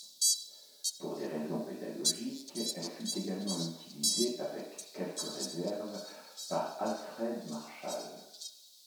Pour des raisons pédagogiques, elle fut également utilisée, avec quelques réserves, par Alfred Marshall.